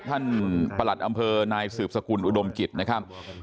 ประหลัดอำเภอนายสืบสกุลอุดมกิจนะครับ